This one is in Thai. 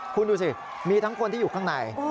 คุณดูสิมีทั้งคนที่อยู่ข้างใน